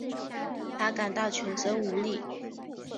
她感到全身无力